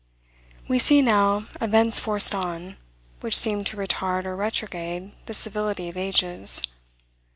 We see, now, events forced on, which seem to retard or retrograde the civility of ages.